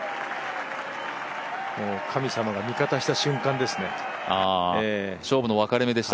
神様が味方した瞬間でしたね。